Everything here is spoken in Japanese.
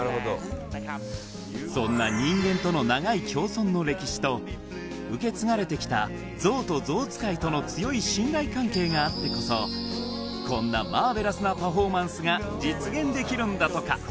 そんなと受け継がれてきたゾウと象使いとの強い信頼関係があってこそこんなマーベラスなパフォーマンスが実現できるんだとか